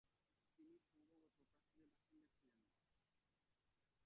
তিনি সম্ভবত প্রাসাদে বাসিন্দা ছিলেন না।